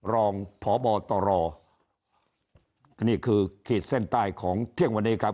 รองพบตรนี่คือขีดเส้นใต้ของเที่ยงวันนี้ครับ